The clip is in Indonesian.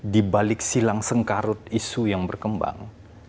di balik silang sengkarut isu yang berkembang